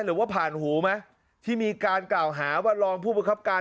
หรือว่าผ่านหูไหมที่มีการกล่าวหาว่ารองผู้ประคับการ